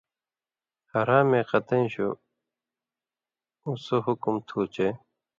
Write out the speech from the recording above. حرامے قطَیں شُو، اُو سو حکم تُھو چے